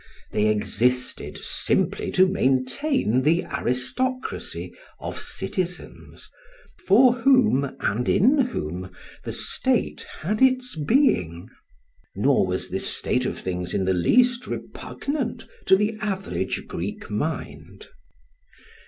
They existed simply to maintain the aristocracy of citizens, for whom and in whom the state had its being. Nor was this state of things in the least repugnant to the average Greek mind.